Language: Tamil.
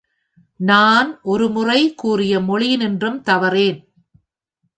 நான் ஒருமுறை கூறிய மொழியினின்றும் தவறேன்.